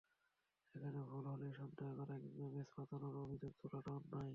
এখানে ভুল হলেই সন্দেহ করা কিংবা ম্যাচ পাতানোর অভিযোগ তোলাটা অন্যায়।